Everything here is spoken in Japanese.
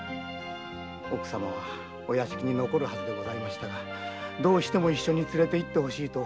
奥様はお屋敷に残るはずでしたがどうしても連れていってほしいと。